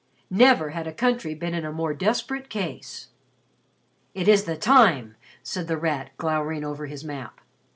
Never had a country been in a more desperate case. "It is the time!" said The Rat, glowering over his map.